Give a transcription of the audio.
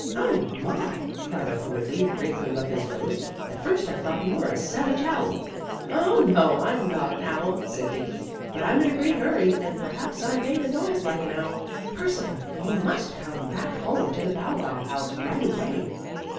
"Oh, my" cried Uncle Wiggily, wrinkling up his nose. "At first I thought you were a savage owl." "Oh, no, I'm not an owl," said Dickie. "But I'm in a great hurry, and perhaps I made a noise like an owl. Percival, you must come back home to the Bow Wow house right away."